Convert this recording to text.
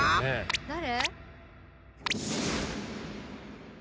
誰？